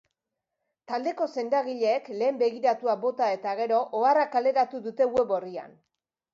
Taldeko sendagileek lehen begiratua bota eta gero oharra kaleratu dute web orrian.